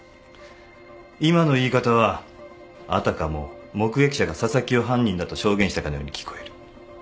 今の言い方はあたかも目撃者が紗崎を犯人だと証言したかのように聞こえる。